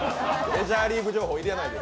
メジャーリーグ情報入れないで。